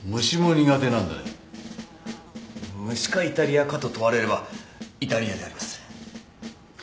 虫かイタリアかと問われればイタリアであります。